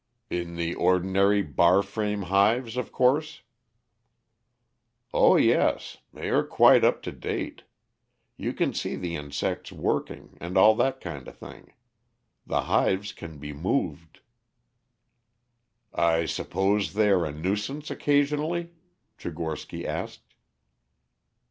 "In the ordinary bar frame hives of course?" "Oh, yes, they are quite up to date. You can see the insects working and all that kind of thing. The hives can be moved." "I suppose they are a nuisance occasionally?" Tchigorsky asked.